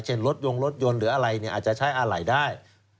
เช่นรถยนต์รถยนต์หรืออะไรอาจจะใช้อาหล่ายได้